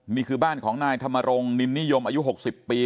นี่คือบ้านของนายธรรมรงค์นินนิยมอายุ๖๐ปี